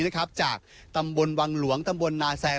เน้นที่ไม่ได้ใช้จากตำบลวังหลวงตำบลนาแซง